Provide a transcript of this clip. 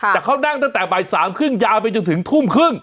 แต่เขานั่งตั้งแต่บ่าย๓๓๐ยาวไปจนถึงทุ่มครึ่ง